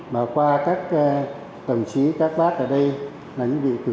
mà qua các tổng chí các bác ở đây là những vị cử tri